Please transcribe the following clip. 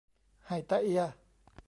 ให้แต๊ะเอีย